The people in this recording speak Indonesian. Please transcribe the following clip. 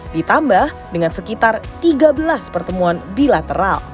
ditambah dengan sekitar tiga belas pertemuan bilateral